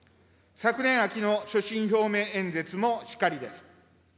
昨年秋の所信表明演説もしかりです。